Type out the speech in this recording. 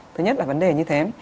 thứ nhất là vấn đề như thế